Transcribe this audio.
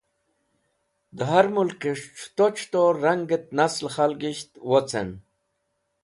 De har Mulk es̃h C̃huto C̃huto Rang et Nasle Khalgisht Wocen